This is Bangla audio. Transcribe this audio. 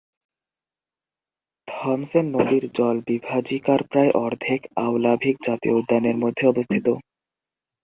থমসেন নদীর জলবিভাজিকার প্রায় অর্ধেক আউলাভিক জাতীয় উদ্যানের মধ্যে অবস্থিত।